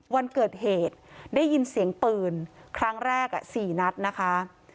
วันเกิดเหตุได้ยินเสียงปืนครั้งแรก๔นัดนะคะ